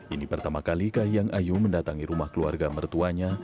ini pertama kali kahiyang ayu mendatangi rumah keluarga mertuanya